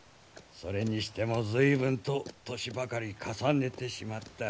それにしても随分と年ばかり重ねてしまった。